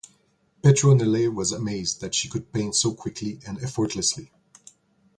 Petronele was amazed that she could paint so quickly and effortlessly.